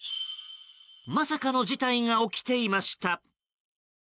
まさかの事態が起きていました。